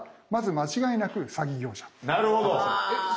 なるほど。